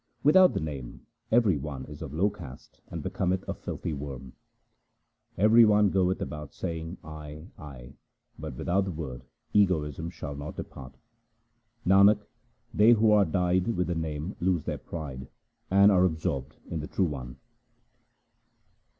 Without the Name every one is of low caste and becometh a filthy worm. Every one goeth about saying ' I, I but without the Word egoism shall not depart. Nanak, they who are dyed with the Name lose their pride, and are absorbed in the True One.